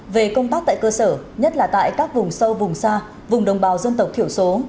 về công tác tại cơ sở nhất là tại các vùng sâu vùng xa vùng đồng bào dân tộc thiểu số